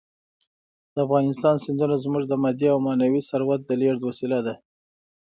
د افغانستان سیندونه زموږ د مادي او معنوي ثروت د لېږد وسیله ده.